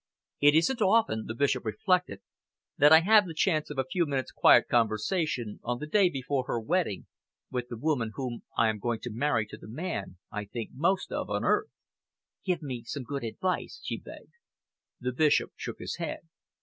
"It isn't often," the Bishop reflected, "that I have the chance of a few minutes' quiet conversation, on the day before her wedding, with the woman whom I am going to marry to the man I think most of on earth." "Give me some good advice," she begged. The Bishop shook his head.